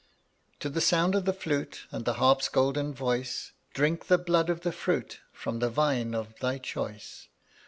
136 To the sound of the flute And the harp's golden voice, Drink the blood of the fruit From the vine of thy choice.